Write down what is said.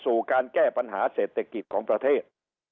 สู่การแก้ปัญหาเศรษฐกิจของประเทศ